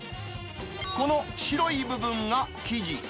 この白い部分が生地。